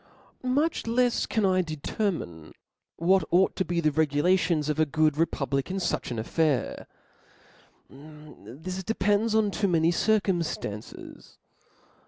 Much lefs can I deceroiine what ought to be the regulations of a good republic in fucb an affair*, this depends on too many circumftances.